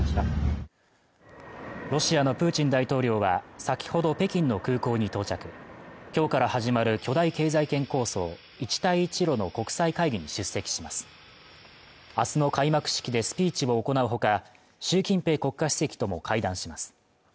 ロシアのプーチン大統領は先ほど北京の空港に到着今日から始まる巨大経済圏構想＝一帯一路の国際会議に出席します明日の開幕式でスピーチを行うほか習近平国家主席とも会談します